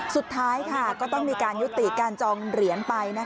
สุดท้ายก็ต้องมีการยุติการจองเหรียญไป